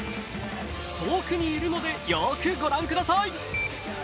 遠くにいるのでよーく御覧ください。